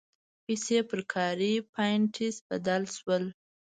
پیسې پر کاري پاینټس بدل شول.